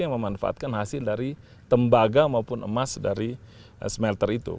yang memanfaatkan hasil dari tembaga maupun emas dari smelter itu